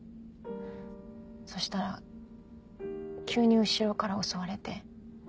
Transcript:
そしたら急に後ろから襲われて。